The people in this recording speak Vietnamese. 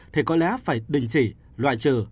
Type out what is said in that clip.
thì có lẽ phải đình chỉ loại trừ